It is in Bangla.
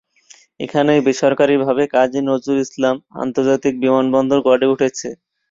এখানে বেসরকারি ভাবে কাজী নজরুল ইসলাম আন্তর্জাতিক বিমানবন্দর গড়ে উঠেছে।